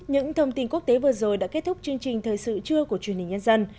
những thông tin quốc tế vừa rồi đã kết thúc chương trình thời sự trưa của truyền hình nhân dân